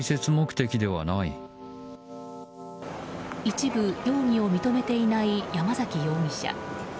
一部、容疑を認めていない山崎容疑者。